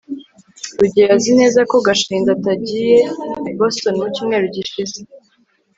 rugeyo azi neza ko gashinzi atagiye i boston mu cyumweru gishize